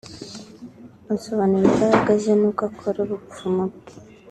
Asobanura imbaraga ze n’uko akora ubupfumu bwe